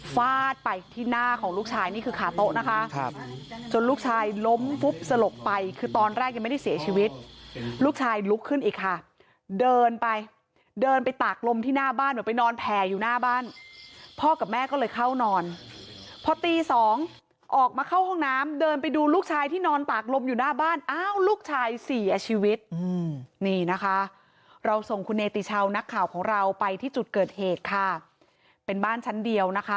ฟาดไปที่หน้าของลูกชายนี่คือขาโต๊ะนะคะจนลูกชายล้มปุ๊บสลบไปคือตอนแรกยังไม่ได้เสียชีวิตลูกชายลุกขึ้นอีกค่ะเดินไปเดินไปตากลมที่หน้าบ้านเหมือนไปนอนแผ่อยู่หน้าบ้านพ่อกับแม่ก็เลยเข้านอนพอตีสองออกมาเข้าห้องน้ำเดินไปดูลูกชายที่นอนตากลมอยู่หน้าบ้านอ้าวลูกชายสี่อ่ะชีวิตนี่นะคะเราส่งคุณเนติเช